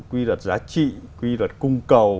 quy luật giá trị quy luật cung cầu